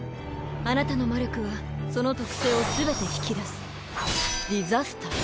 あなたの魔力はその特性を全て引き出す「災厄」。